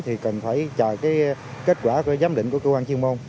thì cần phải chờ cái kết quả giám định của cơ quan chuyên môn